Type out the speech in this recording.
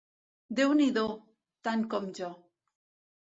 Déu-n'hi-do... tant com jo.